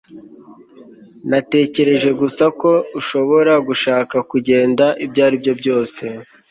Natekereje gusa ko ushobora gushaka kugenda ibyo aribyo byose